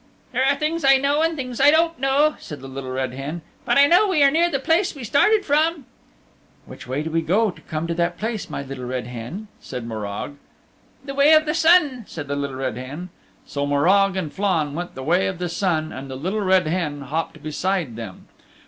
"There are things I know and things I don't know," said the Little Red Hen, "but I know we are near the place we started from." "Which way do we go to come to that place, my Little Red Hen?" said Morag. "The way of the sun," said the Little Red Hen. So Morag and Flann went the way of the sun and the Little Red Hen hopped beside them.